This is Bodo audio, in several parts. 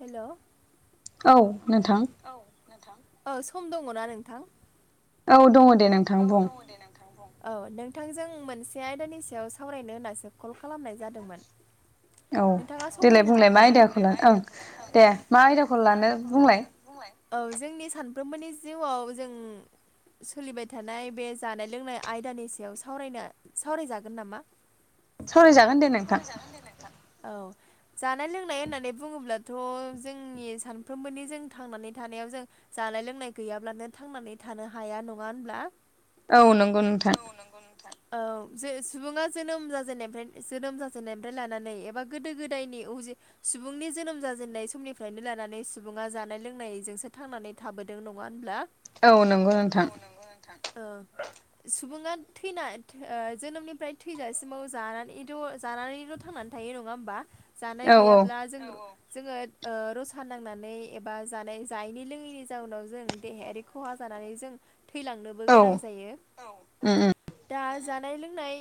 हेलौ औ नोंथां औ नोंथां औ सम दङना नोंथां। औ दङ दे नों औ दङ दे नोंथां बुं औ नोंथांजों मोनसे आयदानि सायाव सावरायनो होनासो कल खालामनाय जादोंमोन। औ देलाय बुंलाय मा आयदयाखौ लानो ओं दे मा आयदाखौ लानो बुंलाय। बुंलाय औ जोंनि सानफ्रोमबोनि जिउआव जों सोलिबाय थानाय बे जानाय लोंनाय आयदानि सायाव सावरायनो सावरायजागोन नामा सावराय जागोन दे नोंथां। जानाय लोंनाय होननानै बुङोब्लाथ' जोंनि सानफ्रोमबोनि जों थांनानै थानायाव जों जानाय लोंनाय गैयाब्लानो थांनानै थानो हाया नङा होनब्ला। औ नंगौ नोंथां नोंगौ नोंथां औ जे सुबुङा जोनोम जानेन जोनोम जाजेननायनिफ्राय लानानै एबा गोदो गोदायनि उजे सुबुंनि जोनोम जाजेननाय समनिफ्रायनो लानानै सुबुङा जानाय लोंनायजोंसो थांनानै थाबोदों नङा होनब्ला औ नंगौ नोंथां औ सुबुङा थैना ओ जोनोमनिफ्राय थैजासिमाव जानानै जानानैल' थांनानै थायो नङा होमबा जानाय गैयाब्ला जोङो जोङो ओ रसा नांनानै एबा जानाय जायैनि लोङैनि जाउनाव जों देहायारि खहा जानानै जों थैलांनोबो गोनां जायो। दा जानाय लोंनाय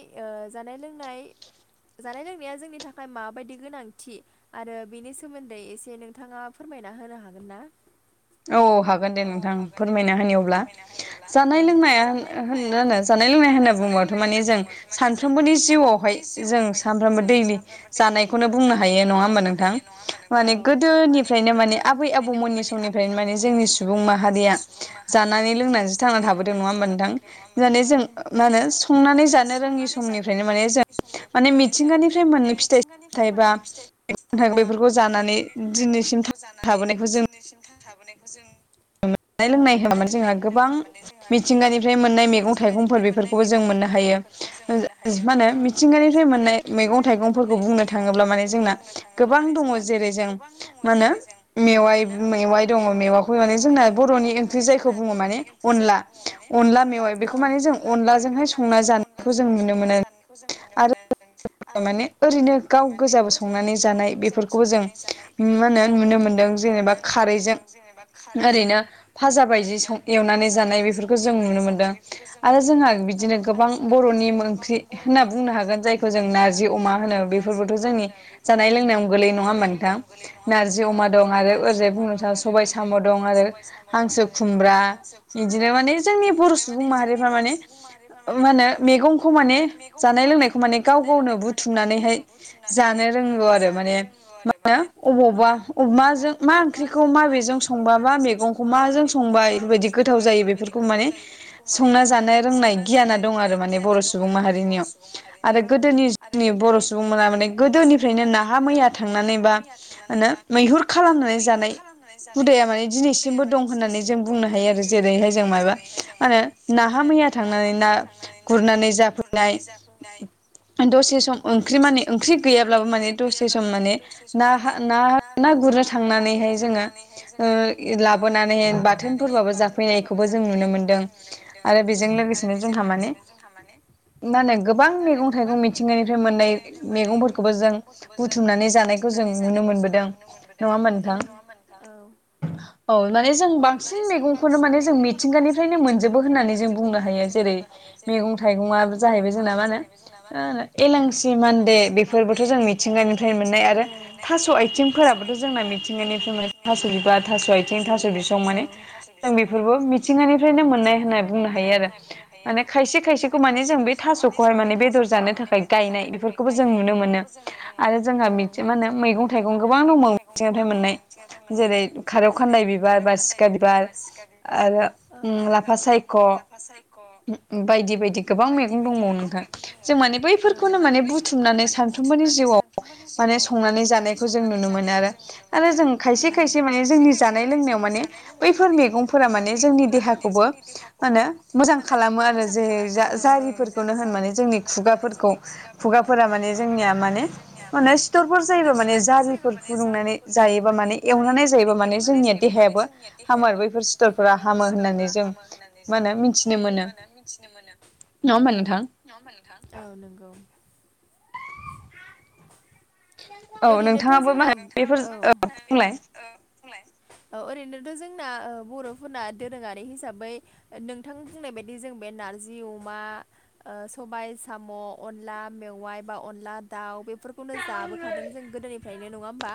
जानाय ल जानाय लोंनाया जोंनि थाखाय ओमफ्राय माबायदि गोनांथि आरो बेनि सोमोन्दै एसे नोंथाङा फोरमायना होनो हागोन ना। औ हागोन दे नोंथां फोरमायना होनो अब्ला जानाय लोंनाया होन होनो जानाय लोंनाय होनना बुंङोबाथ' माने जों सानफ्रोमबोनि जिउआवहाय जों सामफ्रामबो दैलि जानायखौनो बुंनो हायो नङा होमबा नोंथां माने गोदोनिफ्रायनो माने आबै आबौमोननि समनि ओमफ्राय माने जोंनि सुबुं माहारिया जानानै लोंनानैसो थांनानै थाबोदों नङा होमबा नोंथां। नङा होनबा नोंथां जों मा होनो संनानै जानो रोङिनि माने मिथिंगानिफ्राय मोनै फिथाइ गोदोनिफ्राय मोननै फिथ फिथ बा बेफोरखौ जानानै दिनैसिमथ थाबोनायखौ जों औ हमनाय लोंनाय होनबा माने जोंहा गोबां मिथिंगानिफ्राय मोननाय मैगं थाइगंफोर बेफोर जों मोननो हायो मा होन मिथिंगानिफ्राय मोननाय थाङोब्ल जोंना गोबां दङो जों जेरै मा होनो मेवाइ दङो मेवाइ बेखौ माने जोंना बर'नि ओंख्रि जायखौ बुङो माने अनला अनला मेवाइ बेखौ माने जों अनलाजोंहाय संना जानो। अनलाजोंहाय संना जानायखौ जों नुनो मोनो आरो। माने ओरैनो गाव गोजाबो संनानै जानाय बेफोरखौ जों होनो नुनो मोनदों। जेनेबा खारैजों फाजा बायदि एवनानै जानाय बेफोरखौ जों नुनो मोन्दों आरो जोंहा बिदिनो गोबां बर'नि ओंख्रि होनना बुंनो हागोन जायखौ जों नारजि अमा बेथ' जोंनि जानाय लोंनायावनो गोलैओ नङा होमबा नोंथां नारजि अमा दं आरो ओरैजाय बुंनो थाङोब्ला सबाय साम' दं आरो। हांसो खुमब्रा बिदिनो माने जोंनि बर' सुबुं माहारिफ्रा माने मा होने मेगंखौ माने जानाय लोंनायखौ माने गाव गावनो बुथुम ज रोंगौ आरो मान मा अबावबा अमाजों मा ओंख्रिखौ मा बेजों संबा मा मैगंखौ मा म जों संबाय बेफोरबायदि गोथाव जायो बे माने संना जानो रोंनाय गियाना दं आरो माने बर' आरो सुबुंनाव म बर' सुबुं माहानि बर' सुबुङा माने गोदोनिफ्रायनो नाहा मैया थांनानै बा मो मैहुर खालामनानै जानाय हुदाया माने दिनैसिम बो दं होननानै जों बुंनो हायो आरो जेरैहाय जों मबा मा होनो नाहा मैया थांनानै ना ना गुरनानै जाफैनाय दसे सम ओंख्रि माने ओंख्रि गैयाब्लाबो माने दसे सम माने ना ना ना गुरनो थांनानै जोङो लाबोनानै बाथोनफोरबाबो जाफैनायखौबो जों नुनो मोन्दों आरो बेजों लोगोसेनो जोंहा माने जोंहा माने मा होनो गोबां मैगं थाइगं मिथिङै फ्राय मोननाय मैगंफोरखौबो जों बुथुमनानै जानायखौ जों नुनो मोनबोदों। नङा होमबा नोंथां। औ औ माने जों बांसिन मैगंखौनो माने जों मिथिंगानिफ्रायनो मोनजोबो होननानै जों बुंनो हायो जेरै [unintelligible] एलांसि मान्दे बेफोरबोथ' जों मिथिंगानिफ्राय मोननाय आरो थास' आथिं फोराबोथ' जोंना मिथिंगानिफ्राय थास'दिब थास' आथिं थास' बिसं माने जों बेफोरबो मिथिंगानिफ्रायनो मोननाय होननानै बुंनो हायो आरो। माने खायसे खायसेखौ माने जों बे थास'खौहाय माने बेदर जानो थाखाय गायनाय बेफोरखौबो जों नुनो मोनो आरो जोंहाथि मा होनो मैगं थाइगं गोबां दं मिथिंनिफ्राय मोननाय खाथिनिफ्राय मोननाय जेरै खारौ खाननाय बिबार बारसिखा बिबार आरो लाफा सायख' बायदि बायदि गोबां मैगं दंबावो नोंथाङा जों माने बैफोरखौनो माने बुथुमनानै सानफ्रोमबोनि जिउआव माने संनानै जानायखौ जों नुनो मोनो आरो। आरो जों खायसे खायसे माने जोंनि। जानाय लोंनायाव माने बैफोर मैगंफोरा माने जोंनि देहाखौबो म होनो। मोजां खालामो आरो जै जारिफोरखौनो होनाने जोंनि खुगाफोर खुगाफोरा माने जोंनिया माने मे सिथरफोर जायोबा माने जारिफोर फुदुंनानै जायोबा माने एवनानै ज जायो माने जोंनि देायाबो हामो आरो बैफोर सिथरफोरा हामो होननानै जों नानै जों मा होनो मिथिनो मोनो। नङा होमबा नोंथां। औ नंगौ। ओरैनोथ' जोंना औ बुंलाय औ ओरैनोथ' जोंना बर'फोरना दोरोङारि हिसाबै नोंथां बुंनाय बायदि जों बे नारजि अमा सबाय साम' अनला मेवाइ बा अनला दाउ बेफोरखौनो जाबो खादों जों गोदो निफ्रायनो नङा होमबा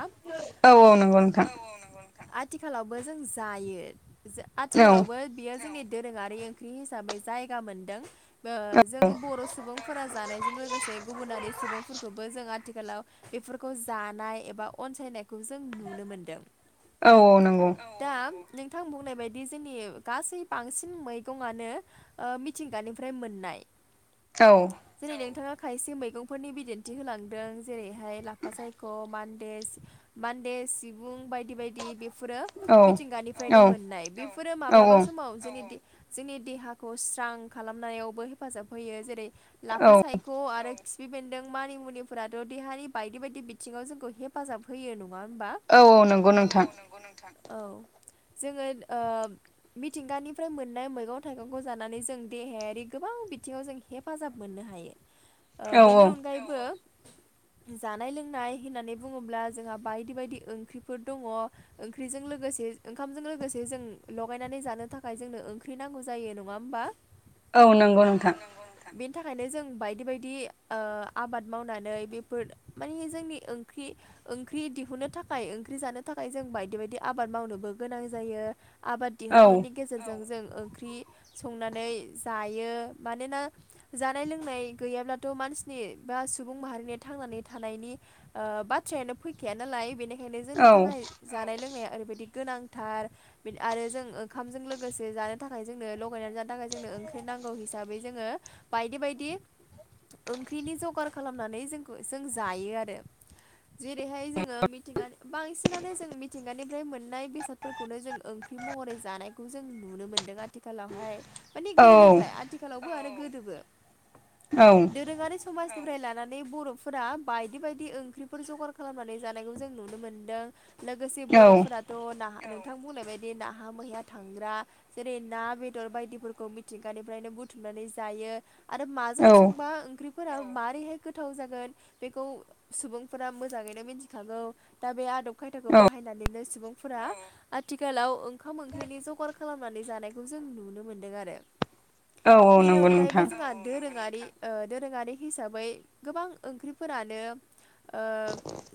औ औ नंगौ नोंथां आथिखालावबो जों जायो आथिखालावबो बेयो जोंनि दोरोङारि ओंख्रि हिसाबै जायगा मोनदों जों बर' सुबुंफोरा जानायजों लोगोसे गुबुनारि सुबुंफोरखौबो जों आथिखालाव बेफोरखौ जानाय एबा अनसायनायखौ जों नुनो मोनदों औ औ नंगौ दा नोंथां बुंनाय बायदि जोंनि गासै बांसिन मैगंआनो मिथिंगानिफ्राय मोननाय औ जेरै नोंथाङा खायसे मैगंफोरनि बिदिन्थि होलांदों जेरै लाफा सायख' मानदे मानदे सिबुं बायदि बायदि फोरो मिथिंगानिफ्रायनो मोननाय बेफोरो माब्लाबा समाव जोंनि जोंनि देहाखौ स्रां खालामनायावबो हेफाजाब होयो जेरै लाफा सायख' आरो खिफ बेन्दों मानिमुनिफोराथ' देहानि बायदि बायदि बिथिङाव जोंखौ हेफाजाब होयो नङा होनबा औ औ नंगौ नोंथां नंगौ नोंथा औ जोङो मिथिंगानिफ्राय मोननाय मैगं थाइगंखौ जानानै जों देहायारि गोबां बिथिङाव जों हेफाजाब मोननो हायो बेनि अनगायैबो जानाय लोंनाय होननानै बुङोब्ला जोंहा बायदि बायदि ओंख्रिफोर दङ ओंख्रिजों लोगोसे ओंखामजों लोगोसे जों लगायनानै जानो थाखाय जोंनो ओं ओंख्रि नांगौ जायो नङा होमबा औ नंगौ बेनि थाखायनो जों बायदि बायदि आबाद मावनानै बे फोर माने जोंनि ओंख्रि ओंख्रि दिहुननो थाखाय ओंख्रि जानो थाखाय जों बायदि बायदि आबाद मावनोबो गोनां जायो आबाद दिहुनथाइनि गेजेरजों जों ओंख्रि संनानै जायो मानोना जानाय लोंनाय गैयाब्लाथ' मानसिनि बा सुबुं माहारिनिया थांनानै थानायनि बाथ्रायानो फैखाया नालाय बेनिखायनो जोंनि थाखाय जानाय लोंनाया ओरैबायदि गोनांथार आरो जों ओंखामजों लोगोसे जानो नि थाखाय जोंनो लगायनानै जानो थाखाय जोंनो ओंख्रि नांगौ हिसाबै जोङो बायदि बायदि ओंख्रिनि जगार खालामनानै ज जों जायो आरो जेरैहाय जोङो मिथिंगानि बांसिनानो जों मिथिंगानिफ्राय मोननाय बेसादफोरखौनो जों ओंख्रि महरै जानायखौ जों नुनो मोनदों आथिखाल आथिखालावहाय मानि गोदोनिफ्राय आथिखालावबो आरो गोदोबो औ दोरोङारि समाजनिफ्राय लानानै बर' फोर बायदि बायदि ओंख्रिफोर जगार खालामनानै जानायखौ जों नुनो मोनदों लोगोसे बर'फोराथ' नाहा नोंथां बुंनाय बायदि नाहा मैया थांग्रा जेरै ना बेदर बायदिफोरखौ मिथिंगानिफ्रायनो बुथुमनानै जायो आरो माजों संबा ओंख्रिफोरा माबारैहाय गोथाव जागोन बेखौ सुबुंफोरा मोजाङैनो मिथिखागौ दा बे आदब खायदाखौ बाहायनानैनो सुबुं आथिखालाव ओंखाम ओंख्रिनि जगार खालामनानै जानायखौ जों नुनो मोनदों आरो बेनि अनगायैबो जोंहा दोरोङारि दोरोङारि हिसाबै गोबां ओंख्रिफोरानो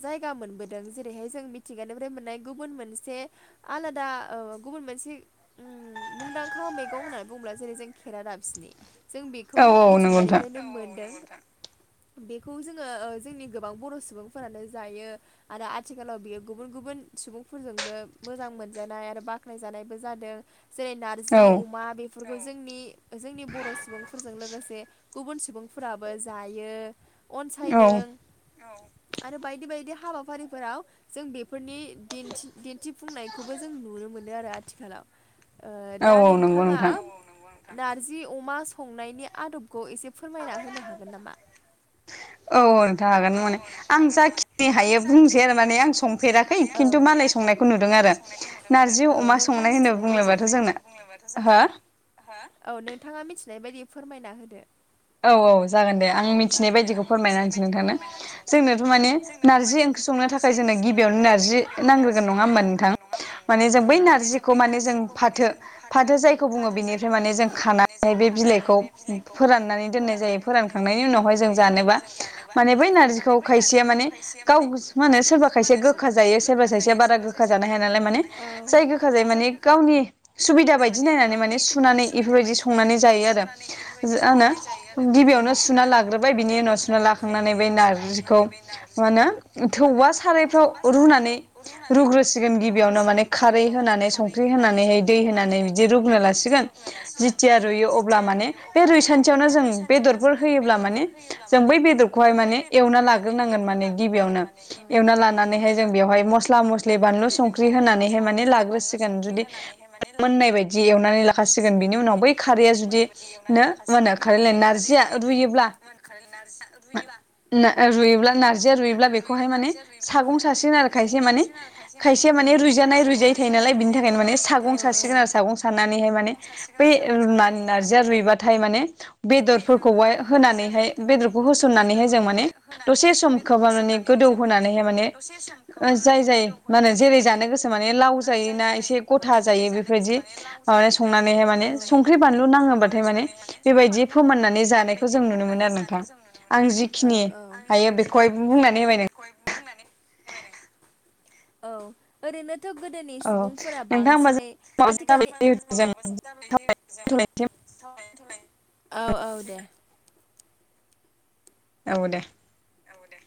जायगा मोनबोदों जेरैहाय जों मिथिंगानिफ्राय मोननाय गुबुन मोनसे आलादा गुबुन मानसि मुंदांखा मैगं होननानै बुङोब्ला जेरै जों खेरा दाबसिनि जों बेखौ मिथिंगानिफ्राय नो मोनदों। खौ जोङो जोंनि गोबां बर' सुबुंफोरानो जायो। आरो आथिखालाव बियो गुबुन गुबुन सुबुंफोरजोंबो मोजां मोनजानाय आरो बाख्नायजानायबो जादों जेरै नारजि अमा बेफोरखौ जोंनि जोंनि बर' सुबुंफोरजों लोगोसे गुबुन सुबुंफोराबो जायो अनसायदों औ आरो बायदि बायदि हाबाफारिफोराव जों बेफोरनिथि दिन्थिफुंनायखौबो जों नुनो मोनो आरो आथिखालाव दा नोंथाङा नारजि अमा संनायनि आदबखौ एसे फोरमायना होनो हागोन नामा औ नथा हागोन माने आं जाखिनि हायो बुंनोसै आरो माने आं संफेराखै है खिन्थु मालाय संनायखौ नुदों आरो नारजि अमा संनाय होनो बुंङोबाथ' जोंनो बुंनोबाथ' जोंना हो औ नोंथाङा मिथिनाय बायदि फोरमायना होदो। औ औ जागोन दे आं मिथिनाय बायदिखौ फोरमायना होनसै नोंथांनो जोंनोथ' माने नारजि ओंख्रि संनो थाखाय जोंनो गिबियावनो नारजि नांग्रोगोन नङा होमबा नोंथां माने जों बै नारजिखौ माने जों फाथो फाथो जायखौ बुङो बेनिफ्राय माने जों खानानै बे बिलाइखौ फोराननानै दोननाय जायो फोरानखांनायनि उनावहाय जों जानोबा माने बै न ग्रिखौ खायसेया माने गाव मा होनो सोरबा खायसेया गोखा जायो सोरबा खायसेया बारा गोखा जानो हाया नालाय माने जायगखा जायो माने गावनि सुबिदा बायदि नायनानै माने सुनानै बेफोरबायदि संनानै जायो आरो ज होनो गिबियावनो सुना लाग्रोबाय बिनि उनाव सुना लाखांनानै बे नारजिखौ मा होनो थौवा सारायफ्राव रुनानै रुग्रोसिगोन गिबियावनो माने खारै होनानै सं ओंख्रि होनानैहाय दै होनानै बिदि रुगुना लासिगोन जिेथिया रुइयो अब्ला माने बे रुइसान्थियावनो जों बेदरफोर होयोब्ला माने जों बै बेदरखौहाय माने एवना लाग्रोनांगोन माने गिबियावनो एवना लानानैहाय जों बेवहाय मस म सि बिनि उनाव बै खदि ख मनख रु रुयोब्ला नारजिया रुयोब्ला बेखौहाय माने सागं सासेन आरोखाय मान खायसे मान रुजानाय रुजायै थायो नालाय बिनि थाखायनो माने सागं सारसिगोन स स ाय माने ब नारजिया रुइबाथाय माने बेदर फोरखौहाय होनानैहाय बेदरखौ होसननानैहाय जों माने दसे समखौोबा माने गोदौ होनानैहाय माने जाय जाय मा होनो जेरै जानो गोसो माने लाव जायोोना एसे गथा जायो बेफोरदि जायो। म संरि बानलु नाङाथाय म बेबायदि फोर बेबायदि फुननानै जानायखौ जों नुनो मोनो आरो ना औ आं जिखिनि हायो बेखौहाय बुंनानै औ। ओरैनोथ' गोदोनि सुबुंफोरा बांसिनै आथिखालनि औ औ दे औ दे औ दे।